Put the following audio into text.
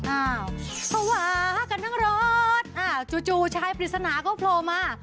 อ้าวภาวะกันทั้งรถจู่ชายปริศนาก็โพลมา